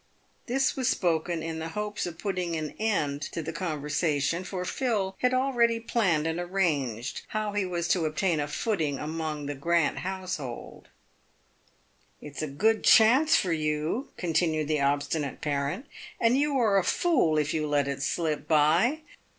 This was spoken in the hopes of putting an end to the conversa tion, for Phil had already planned and arranged how he was to obtain a footing among the Grant household. " It's a good chance for you," continued the obstinate parent, " and you are a fool if you let it slip by.